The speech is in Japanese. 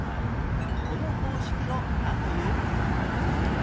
この方式をなんという？